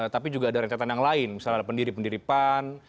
tapi juga ada rentetan yang lain misalnya ada pendiri pendiri pan